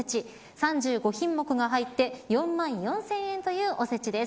３５品目が入って４万４０００円というおせちです。